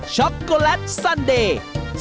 ช็อกโกแลตซันเดย์